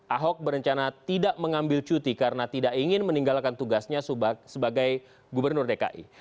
ahok berencana tidak mengambil cuti karena tidak ingin meninggalkan tugasnya sebagai gubernur dki